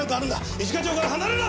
一課長から離れるな！